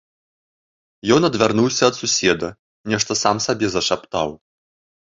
Ён адвярнуўся ад суседа, нешта сам сабе зашаптаў.